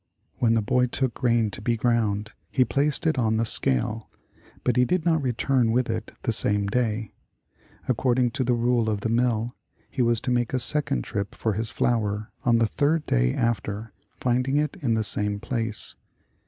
When the boy took grain to be ground he placed it on the scale, but he did not return with it the same day. According to the rule of the mill, he was to make a second trip for his flour on the third day after, finding it in the same place.